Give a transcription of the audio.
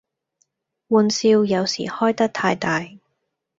玩笑有時開得太大